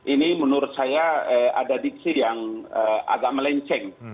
ini menurut saya ada diksi yang agak melenceng